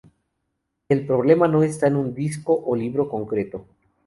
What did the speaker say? El problema no está en un disco o libro concreto